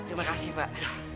terima kasih pak